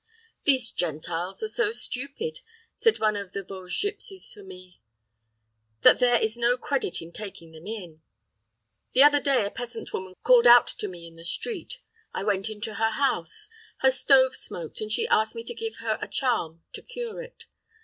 "These Gentiles are so stupid," said one of the Vosges gipsies to me, "that there is no credit in taking them in. The other day a peasant woman called out to me in the street. I went into her house. Her stove smoked and she asked me to give her a charm to cure it.